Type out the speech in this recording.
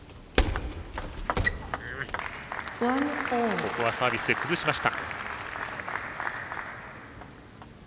ここはサービスで崩しました。